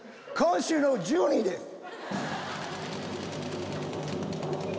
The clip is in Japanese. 今週の１２位です！